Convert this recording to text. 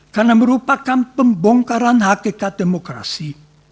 karena merupakan pembongkaran hakikat demokrasi